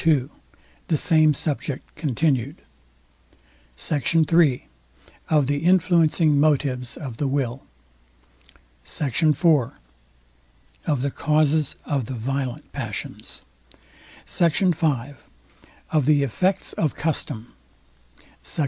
II THE SAME SUBJECT CONTINUED SECT. III OF THE INFLUENCING MOTIVES OF THE WILL SECT. IV OF THE CAUSES OF THE VIOLENT PASSIONS SECT. V OF THE EFFECTS OF CUSTOM SECT.